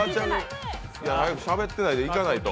早く、しゃべってないでいかないと。